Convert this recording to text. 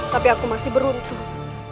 tapi aku masih beruntung